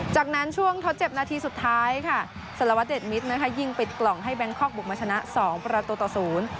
จากนั้นช่วงทดเจ็บนาทีสุดท้ายค่ะสารวัตเดชมิตรนะคะยิงปิดกล่องให้แบงคอกบุกมาชนะสองประตูต่อศูนย์